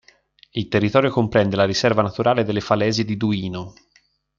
Il territorio comprende la Riserva naturale delle Falesie di Duino.